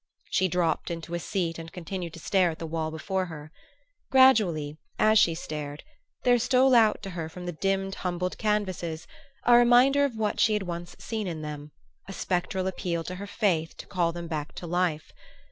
She dropped into a seat and continued to stare at the wall before her. Gradually, as she stared, there stole out to her from the dimmed humbled canvases a reminder of what she had once seen in them, a spectral appeal to her faith to call them back to life.